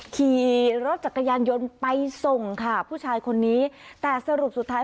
ขี่รถจักรยานยนต์ไปส่งค่ะผู้ชายคนนี้แต่สรุปสุดท้าย